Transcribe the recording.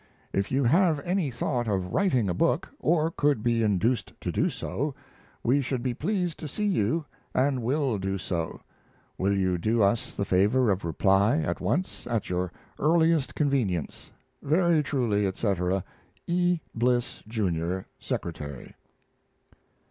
If you have any thought of writing a book, or could be induced to do so, we should be pleased to see you, and will do so. Will you do us the favor of reply at once, at your earliest convenience. Very truly etc., E. BLISS, JR., Secretary.